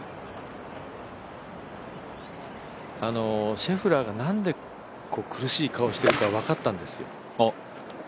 シェフラーがなんで苦しい顔をしてるか分かったんですよ。